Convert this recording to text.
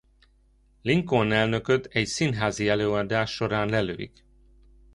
Lincoln elnököt egy színházi előadás során lelövik.